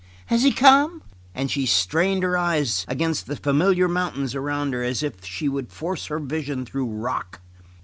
Has he come?" And she strained her eyes against the familiar mountains around her as if she would force her vision through rock.